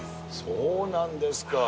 そうなんですか。